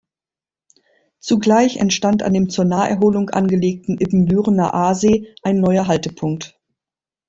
Zugleich entstand an dem zur Naherholung angelegten Ibbenbürener Aasee ein neuer Haltepunkt.